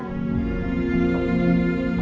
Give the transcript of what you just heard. ma kok mereka keturunan